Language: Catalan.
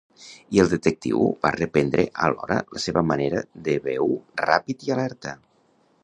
I el detectiu va reprendre alhora la seva manera de veu ràpid i alerta.